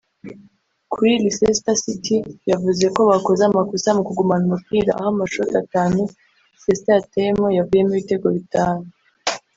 Kuri Leicester City yavuze ko bakoze amakosa mu kugumana umupira aho amashoti atanu Leicester yateye yavuyemo ibitego bitanu